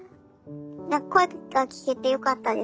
何か声が聞けてよかったです。